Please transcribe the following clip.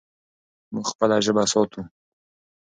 موږ خپله ژبه ساتو.